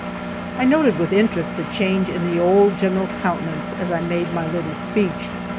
I noted with interest the change in the old General's countenance as I made my little speech.